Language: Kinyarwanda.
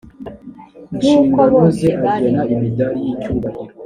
n kuko bose bari